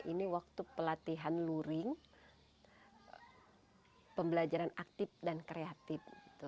ini waktu pelatihan luring pembelajaran aktif dan kreatif